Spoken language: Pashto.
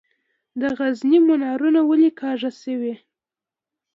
د غزني منارونه ولې کږه شوي؟